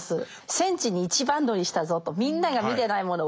戦地に一番乗りしたぞとみんなが見てないもの